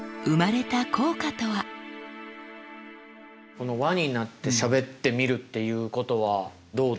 この輪になってしゃべってみるっていうことはどうですか？